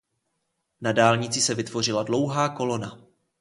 Na dálnici se vytvořila dlouhá kolona.